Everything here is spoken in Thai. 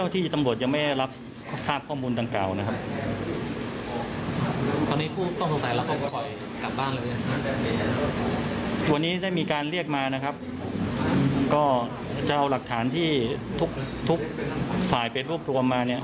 ตัวนี้ได้มีการเรียกมาจะเอาหลักฐานที่สายเป็นรูปรวมมา